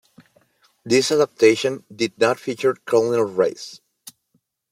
This adaptation did not feature Colonel Race.